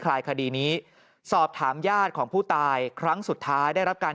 ลายคดีนี้สอบถามญาติของผู้ตายครั้งสุดท้ายได้รับการ